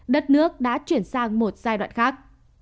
đất nước đã chuyển sang một giai đoạn khác